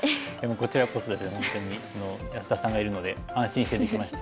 こちらこそ本当に安田さんがいるので安心してできました。